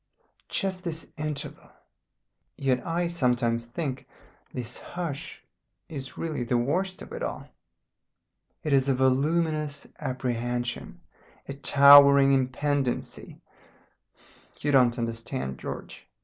Just this interval. "Yet I sometimes think this hush is really the worst of it all. It is a voluminous apprehension, a towering impendency. You don't understand, George.